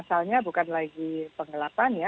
asalnya bukan lagi penggelapan ya